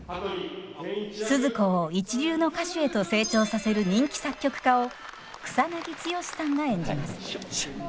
スズ子を一流の歌手へと成長させる人気作曲家を草剛さんが演じます。